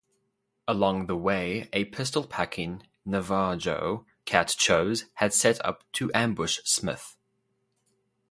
Along the way a pistol-packing Navajo, Cat-chose, had set up to ambush Smith.